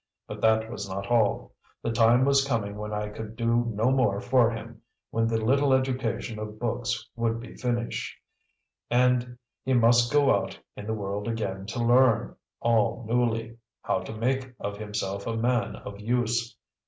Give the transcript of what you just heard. But that was not all. The time was coming when I could do no more for him, when the little education of books would be finish' and he must go out in the world again to learn all newly how to make of himself a man of use.